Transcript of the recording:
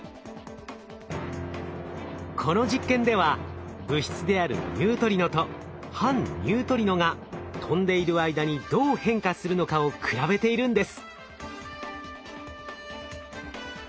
この実験では物質であるニュートリノと反ニュートリノが飛んでいる間にどう変化するのかを比べているんです。